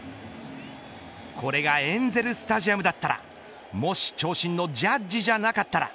これがエンゼルスタジアムだったらもし長身のジャッジじゃなかったら。